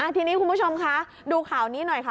ทีนี้คุณผู้ชมคะดูข่าวนี้หน่อยค่ะ